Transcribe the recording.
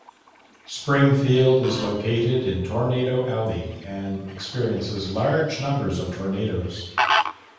Springfield is located in Tornado Alley and experiences large numbers of tornadoes.